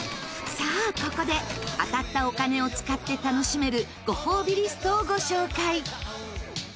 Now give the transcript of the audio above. さあここで当たったお金を使って楽しめるご褒美リストをご紹介！